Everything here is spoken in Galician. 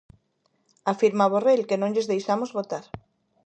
Afirma Borrell que non lles deixamos votar.